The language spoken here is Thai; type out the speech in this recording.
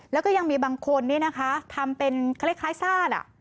แล้วก็ยังมีบางคนทำเป็นคล้ายซาก